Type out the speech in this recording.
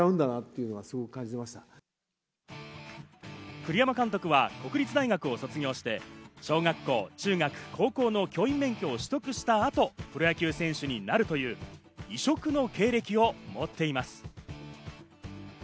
栗山監督は国立大学を卒業して、小学校・中学・高校の教員免許を取得した後、プロ野球選手になるという、異色の経歴を持っています。